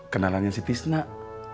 kenalannya si tisnak